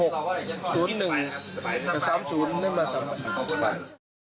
ก็๓๐นึงมา๓บาท